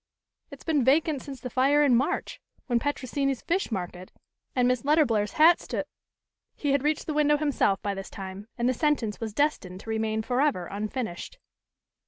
"It's been vacant since the fire in March, when Petrosini's fish market and Miss Letterblair's hat st " He had reached the window himself by this time, and the sentence was destined to remain forever unfinished.